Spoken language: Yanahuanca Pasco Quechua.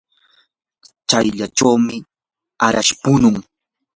shallachawmi arash punun.